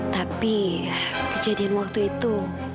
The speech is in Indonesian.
tapi kejadian waktu itu